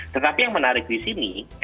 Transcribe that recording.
tetapi yang menarik di sini